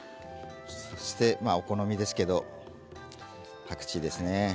お好みですけれどパクチーですね